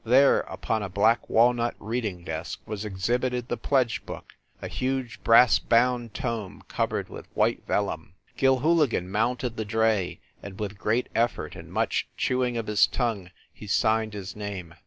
There, upon a black walnut reading desk was exhibited the pledge book, a huge brass bound tome, covered with white vellum. Gilhooligan mounted the dray, and, with great effort, and much chewing of his tongue, he signed his name.